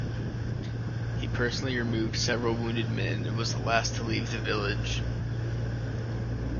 He personally removed several wounded men and was the last to leave the village.